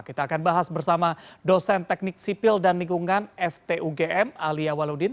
kita akan bahas bersama dosen teknik sipil dan lingkungan ftugm alia waludin